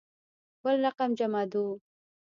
بل رقم جمعه دو.